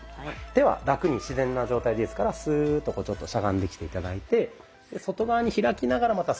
手はラクに自然な状態でいいですからスーッとこうしゃがんできて頂いて外側に開きながらまたスーッと上がる感じ。